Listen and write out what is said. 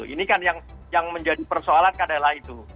ini kan yang menjadi persoalan adalah itu